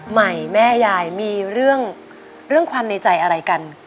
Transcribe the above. แม่ยายมีเรื่องความในใจอะไรกัน